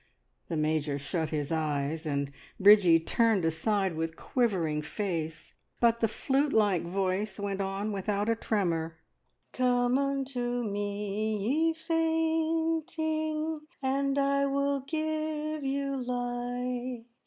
The Major shut his eyes, and Bridgie turned aside with quivering face, but the flute like voice went on without a tremor "`Come unto Me, ye fainting, And I will give you life!'